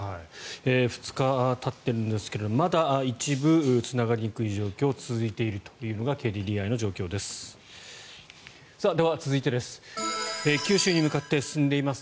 ２日たっているんですがまだ一部つながりにくい状態が続いているというのがＫＤＤＩの状況です。